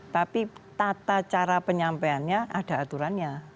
tapi tata cara penyampaiannya ada aturannya